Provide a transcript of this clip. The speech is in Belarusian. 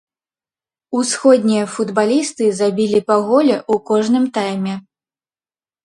Усходнія футбалісты забілі па голе ў кожным тайме.